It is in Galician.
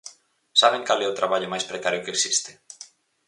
¿Saben cal é o traballo máis precario que existe?